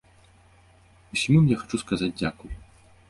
Усім ім я хачу сказаць дзякуй.